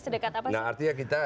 sedekat apa sih